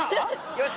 よし！